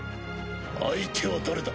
相手は誰だ？